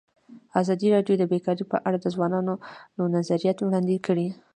ازادي راډیو د بیکاري په اړه د ځوانانو نظریات وړاندې کړي.